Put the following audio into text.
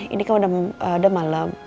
ini udah malem